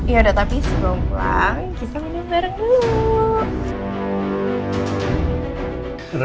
yaudah tapi sebelum pulang kita minum bareng dulu